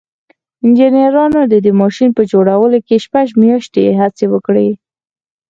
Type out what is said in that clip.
انجنيرانو د دې ماشين په جوړولو کې شپږ مياشتې هڅې وکړې.